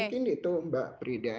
mungkin itu mbak frida